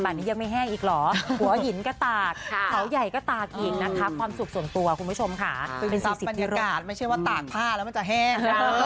น้องยังไม่ได้ไปเดี๋ยวน้องก็ไปรอไปตอนเสร็จเลย